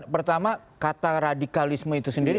pertama kata radikalisme itu sendiri